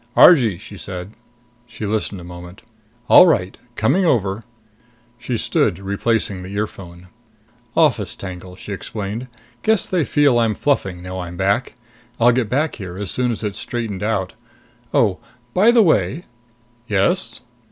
"Argee," she said. She listened a moment. "All right. Coming over." She stood up, replacing the earphone. "Office tangle," she explained. "Guess they feel I'm fluffing, now I'm back. I'll get back here as soon as it's straightened out. Oh, by the way." "Yes?"